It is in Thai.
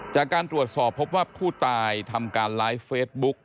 จากการตรวจสอบพบว่าผู้ตายทำการไลฟ์เฟซบุ๊ก